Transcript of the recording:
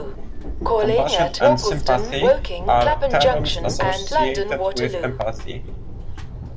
Compassion and sympathy are terms associated with empathy.